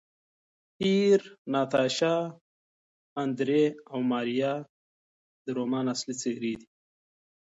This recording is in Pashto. پییر، ناتاشا، اندرې او ماریا د رومان اصلي څېرې دي.